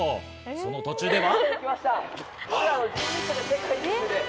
その途中では。